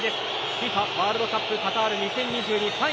ＦＩＦＡワールドカップカタール２０２２３位